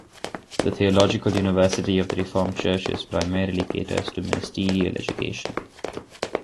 The Theological University of the Reformed Churches primarily caters to ministerial education.